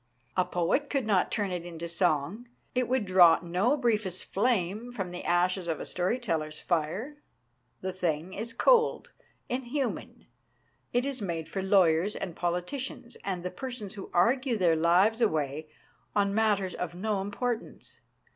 A poet could not turn it into song ; it would draw no briefest flame from the ashes of a storyteller's fire. The thing is cold, inhuman ; it is made for lawyers and politicians, and the persons who argue their lives away on matters of no im portance.